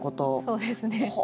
そうですね。